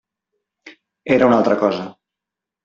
Era una altra cosa.